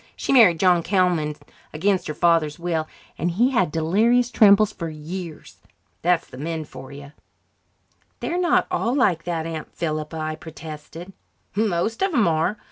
She married John Callman against her father's will, and he had delirious trembles for years. That's the men for you." "They're not all like that, Aunt Philippa," I protested. "Most of 'em are.